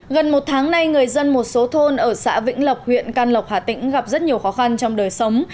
gần một tháng nay người dân một số thôn ở xã vĩnh lộc huyện can lộc hà tĩnh gặp rất nhiều khó khăn trong đời sống